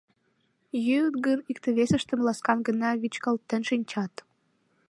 Йӱыт гын, икте-весыштым ласкан гына вӱчкалтен шинчат.